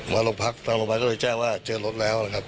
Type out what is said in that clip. มาตรวจสอบโรงพักษ์ก็เลยแจ้วว่าเจอตัวรถแล้วนะครับ